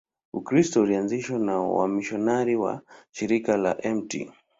Ukristo ulianzishwa na wamisionari wa Shirika la Mt.